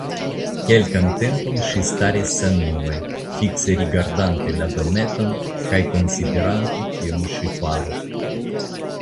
Kelkan tempon ŝi staris senmove, fikse rigardante la dometon kaj konsiderante, kion ŝi faros.